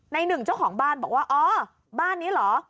หนึ่งเจ้าของบ้านบอกว่าอ๋อบ้านนี้เหรอ